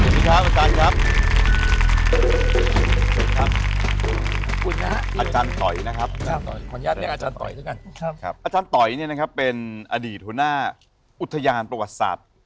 สวัสดีครับอุทยานครับ